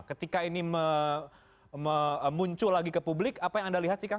ketika ini muncul lagi ke publik apa yang anda lihat sih kang